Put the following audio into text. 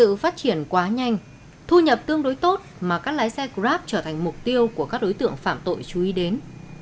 sự phát triển quá nhanh thu nhập tương đối tốt mà các lái xe grab trở thành mục tiêu của các đối tượng phạm tội chú ý đến